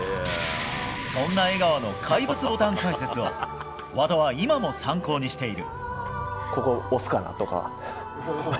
そんな江川の怪物ボタン解説を和田は今も参考にしている。